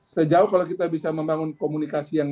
sejauh kalau kita bisa membangun komunikasi yang